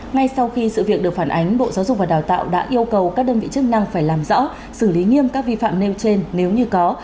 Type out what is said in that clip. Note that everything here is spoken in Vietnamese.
ngay sau khi sự việc được phản ánh bộ giáo dục và đào tạo đã yêu cầu các đơn vị chức năng phải làm rõ xử lý nghiêm các vi phạm nêu trên nếu như có